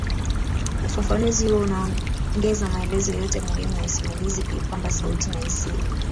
Ufafanuzi huo unaongeza maelezo yote muhimu ya simulizi kuipamba sauti na hisia